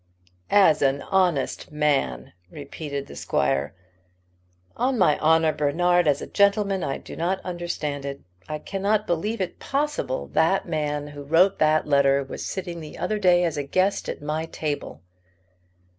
"As an honest man!" repeated the squire. "On my honour, Bernard, as a gentleman, I do not understand it. I cannot believe it possible that the man who wrote that letter was sitting the other day as a guest at my table."